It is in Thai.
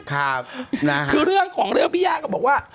คือเรื่องของเรื่องพี่ย่าก็บอกว่า